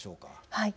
はい。